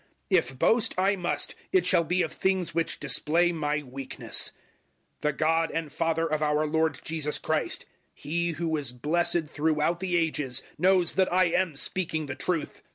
011:030 If boast I must, it shall be of things which display my weakness. 011:031 The God and Father of our Lord Jesus Christ He who is blessed throughout the Ages knows that I am speaking the truth.